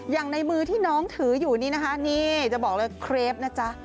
อย่างในมือที่น้องถืออยู่นี่นะคะนี่จะบอกเลยเครปนะจ๊ะ